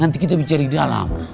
nanti kita bicara di dalam